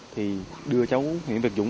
thì đưa cháu nguyễn việt dũng